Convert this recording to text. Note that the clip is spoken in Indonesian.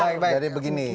baik baik dari begini